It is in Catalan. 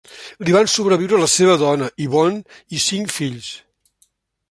Li van sobreviure la seva dona, Yvonne, i cinc fills.